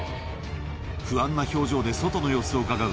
不安な表情で外の様子をうかがう